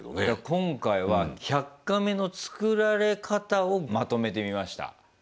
今回は「１００カメ」の作られ方をまとめてみました。